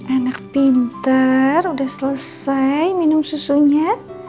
anak pintar udah selesai minum susunya